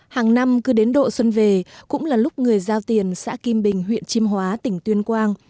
hàng năm cứ đến độ xuân về cũng là lúc người giao tiền xã kim bình huyện chim hóa tỉnh tuyên quang